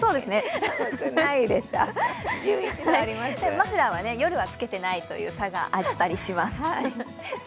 マフラーは夜は着けていないという差があったりします。